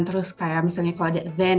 terus kayak misalnya kalau ada event